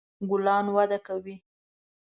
ګلان وده کوي